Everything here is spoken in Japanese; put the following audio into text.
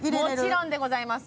もちろんでございます